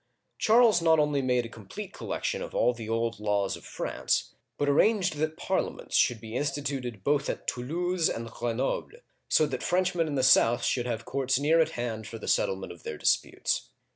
Charles not only made a complete collection of all the old laws of France, but arranged that Parliaments should be instituted both at Toulouse and Greno'ble, so that French men in the south should have courts near at hand for the settlement of their disputes.